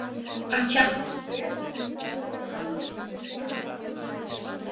Ачан, эргын, святой шӱлыш лӱмеш — арака!